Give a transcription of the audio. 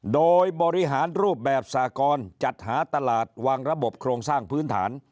โดยบริหารรูปแบบสากรจัดหาตลาดวางระบบโครงสร้างพื้นฐาน